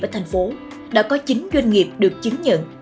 ở thành phố đã có chín doanh nghiệp được chứng nhận